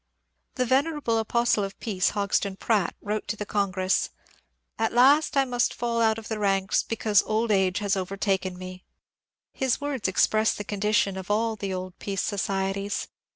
The venerable apostle of Peace, Hodgson Pratt, wrote to the Congress, ^^ At last I must fall out of the ranks, because old age has overtaken me." His words express the condition of all the old peace societies.